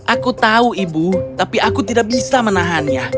aku tahu ibu tapi aku tidak bisa menahannya